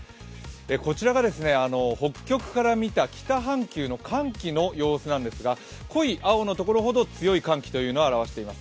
こちらが北極から見た北半球の寒気の様子なんですが、濃い青のところほど強い寒気を表しています。